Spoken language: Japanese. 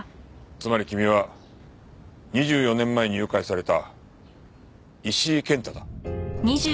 つまり君は２４年前に誘拐された石井健太だ。